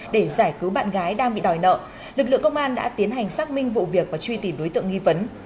để giải cứu bạn gái đang bị đòi nợ lực lượng công an đã tiến hành xác minh vụ việc và truy tìm đối tượng nghi vấn